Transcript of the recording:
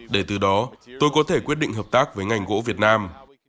để từ đó tôi có thể quyết định hợp tác với ngành gỗ việt nam